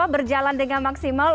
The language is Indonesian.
berjalan dengan maksimal